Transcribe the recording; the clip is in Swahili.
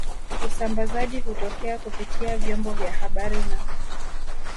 Usambazaji hutokea kupitia vyombo vya habari na